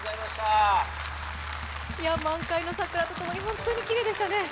満開の桜とともに本当にきれいでしたね。